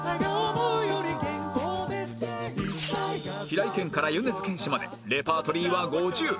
平井堅から米津玄師までレパートリーは５０